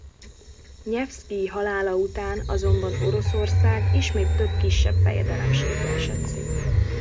Nyevszkij halála után azonban Oroszország ismét több kisebb fejedelemségre esett szét.